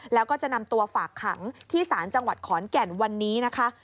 แล้วก็จะนำตัวฝากขังที่ศาลจังหวัดขอนแก่นวันนี้นะคะ